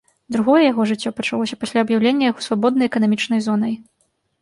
Другое яго жыццё пачалося пасля аб'яўлення яго свабоднай эканамічнай зонай.